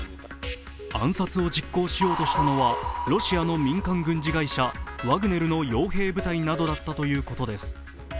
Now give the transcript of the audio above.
暗殺を実行しようとしたのはロシアの民間軍事会社ワグネルのよう兵部隊などだったということです。